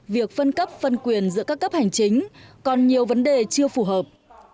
việc phân cấp phân quyền giữa các cấp hành chính còn nhiều vấn đề chưa phù hợp